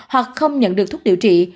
hoặc không nhận được thuốc điều trị